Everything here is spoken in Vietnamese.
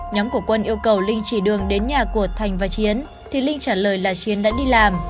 nhóm của quân yêu cầu linh chỉ đường đến nhà của thành và chiến thì linh trả lời là chiến đã đi làm